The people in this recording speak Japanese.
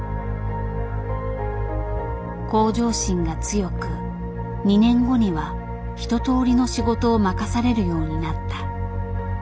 向上心が強く２年後には一とおりの仕事を任されるようになった。